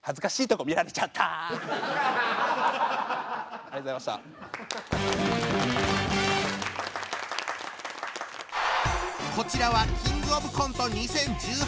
こちらは「キングオブコント２０１８」で準優勝。